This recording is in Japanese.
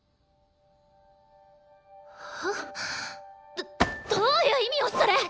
どっどういう意味よそれ！？